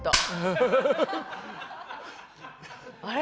あれ？